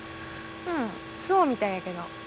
うんそうみたいやけど。